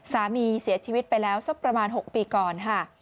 สามีเสียชีวิตไปแล้วสักประมาณ๖ปีก่อนค่ะ